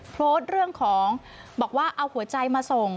โพสต์เรื่องของบอกว่าเอาหัวใจมาส่ง